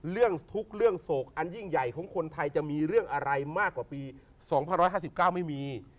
เรื่องทุกข์เรื่องโศกอันยิ่งใหญ่ของคนไทยจะมีเรื่องอะไรมากกว่าปี๒๕๕๙ไม่มี